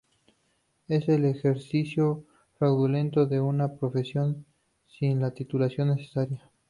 Es el ejercicio fraudulento de una profesión sin la titulación necesaria.